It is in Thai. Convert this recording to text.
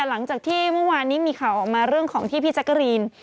หลังจากที่เมื่อวานนี้มีข่าวออกมาเรื่องของที่พี่แจ๊กกะรีน